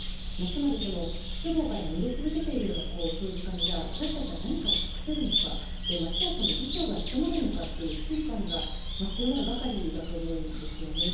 つまり不都合から逃げ続けているような政治家に私たちは何かを託せるのか、ましてや議長が務まるのかという不信感が強まるばかりだと思うんです。